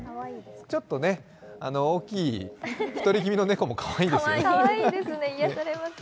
ちょっとね、大きい、太り気味の猫も、かわいいですよね。